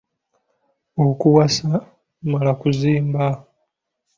Okuwasa mmala kuzimba.